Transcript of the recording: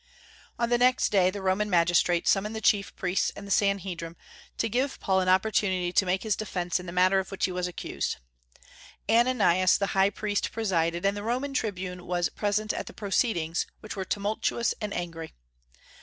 On the next day the Roman magistrate summoned the chief priests and the Sanhedrim, to give Paul an opportunity to make his defence in the matter of which he was accused. Ananias the high priest presided, and the Roman tribune was present at the proceedings, which were tumultuous and angry.